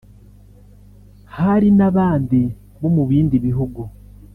hari n’abandi bo mu bindi bihugu